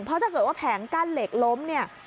เพราะถ้าเกิดว่าแผงกั้นเหล็กล้มเนี่ย